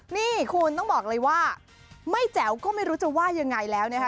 นี่คุณต้องบอกเลยว่าไม่แจ๋วก็ไม่รู้จะว่ายังไงแล้วนะคะ